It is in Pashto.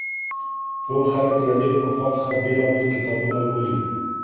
پوه خلګ له ډېر پخوا څخه بېلابېل کتابونه لولي.